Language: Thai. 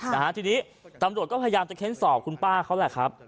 นะฮะทีนี้ตำรวจก็พยายามจะเค้นสอบคุณป้าเขาแหละครับ